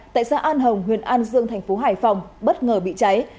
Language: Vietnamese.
tại xã an hồng huyện an dương thành phố hải phòng bất ngờ bị cháy